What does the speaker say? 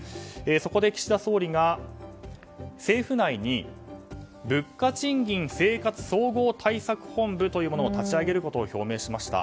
そこで、岸田総理が政府内に物価・賃金・生活総合対策本部というものを立ち上げることを表明しました。